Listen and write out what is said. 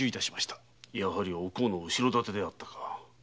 やはりお甲の後ろ盾であったか。